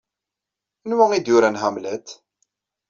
Anwa ay d-yuran Hamlet?